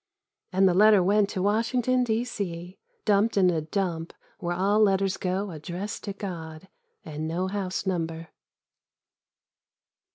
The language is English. And the letter went to Washington, D. C, dumped into a dump where all letters go addressed to God — and no house number.